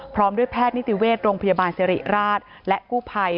พร้อมด้วยแพทย์นิติเวชโรงพยาบาลสิริราชและกู้ภัย